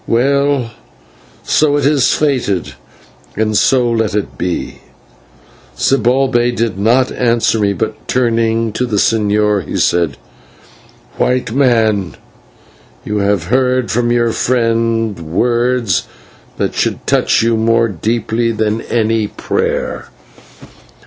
Well, so it is fated, and so let it be!" Zibalbay did not answer me, but, turning to the señor, he said: "White Man, you have heard from your friend words that should touch you more deeply than any prayer.